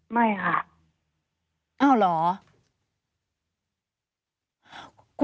ไม่ค่ะ